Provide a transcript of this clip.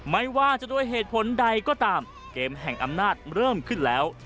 ไม่ว่าจะด้วยเหตุผลใดก็ตามเกมแห่งอำนาจเริ่มขึ้นแล้ว